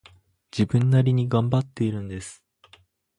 自分なりに頑張っているんです